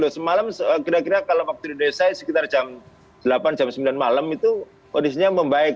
semalam kira kira kalau waktu di desa sekitar jam delapan jam sembilan malam itu kondisinya membaik